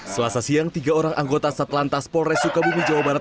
selasa siang tiga orang anggota satlantas polres sukabumi jawa barat